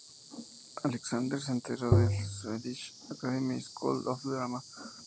Alexander se entrenó en el "Swedish Academy School of Drama".